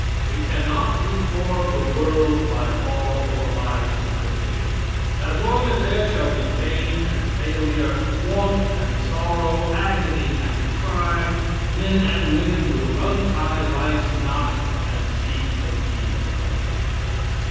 We cannot reform the world by law or by superstition. As long as there shall be pain and failure, want and sorrow, agony and crime, men and women will untie life's knot and seeks the peace of death.